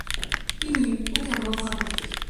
Il n'y eut aucun mort rapporté.